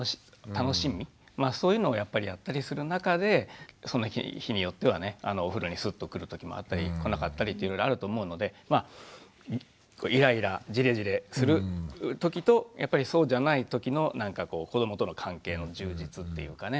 そういうのをやっぱりやったりする中でその日によってはねお風呂にスッと来る時もあったり来なかったりっていろいろあると思うのでイライラジレジレする時とやっぱりそうじゃない時のなんかこう子どもとの関係の充実っていうかね